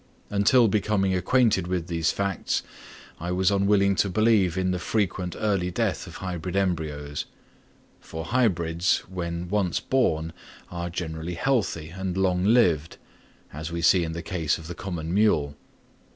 Until becoming acquainted with these facts, I was unwilling to believe in the frequent early death of hybrid embryos; for hybrids, when once born, are generally healthy and long lived, as we see in the case of the common mule.